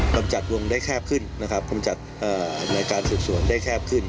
กำจัดวงได้แคบขึ้นนะครับกำจัดในการสืบสวนได้แคบขึ้น